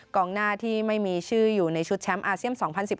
กองหน้าที่ไม่มีชื่ออยู่ในชุดแชมป์อาเซียน๒๐๑๘